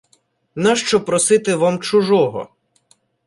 Нащо просити вам чужого?